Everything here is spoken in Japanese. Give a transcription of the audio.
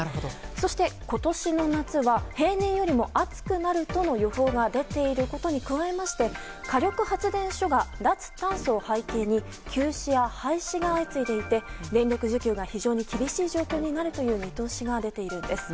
そして今年の夏は平年よりも暑くなるとの予想が出ていることに加えまして火力発電所が脱炭素を背景に休止や廃止が相次いでいて、電力需給が非常に厳しい状況になるという見通しが出ているんです。